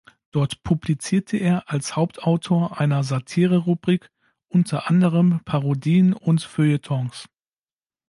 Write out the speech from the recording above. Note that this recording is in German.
Dort publizierte er als Hauptautor einer Satire-Rubrik unter anderem Parodien und Feuilletons.